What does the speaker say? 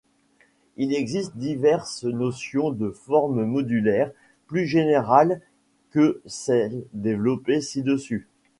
Il existe diverses notions de formes modulaires plus générales que celle développée ci-dessus.